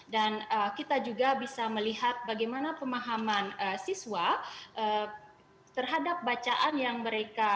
dan kita juga bisa melihat bagaimana pemahaman siswa terhadap bacaan yang mereka baca